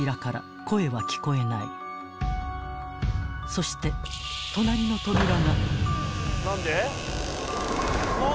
［そして隣の扉が］